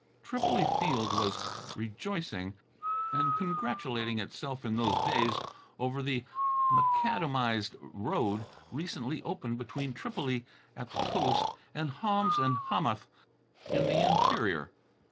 Tripoli field was rejoicing and congratulating itself in those days over the macadamized road recently opened between Tripoli at the coast and Homs and Hamath in the interior.